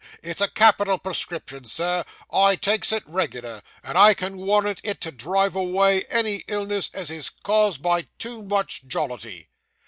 It's a capital prescription, sir. I takes it reg'lar, and I can warrant it to drive away any illness as is caused by too much jollity.